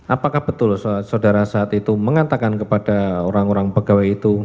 apakah betul saudara saat itu mengatakan kepada orang orang pegawai itu